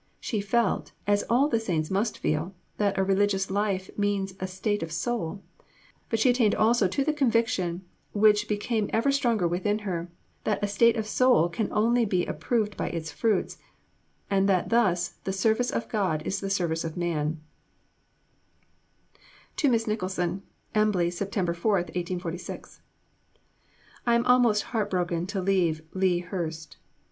She felt, as all the saints must feel, that a religious life means a state of the soul; but she attained also to the conviction, which became ever stronger within her, that a state of the soul can only be approved by its fruits, and that thus the Service of God is the Service of Man: (To Miss Nicholson.) EMBLEY, Sept. 24, . I am almost heart broken to leave Lea Hurst.